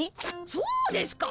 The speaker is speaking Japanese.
そうですか。